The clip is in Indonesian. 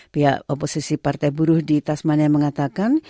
pihak oposisi partai buruh di tasmania mengatakan